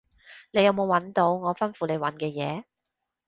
你有冇搵到我吩咐你搵嘅嘢？